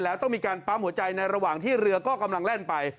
แล้วต้องมีการปั๊มหัวใจในระหว่างที่เรือก็กำลังแล่นไป